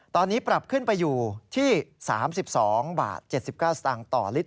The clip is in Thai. ตอนนี้ปรับขึ้นไปอยู่ที่๓๒บาท๗๙สตางค์ต่อลิตร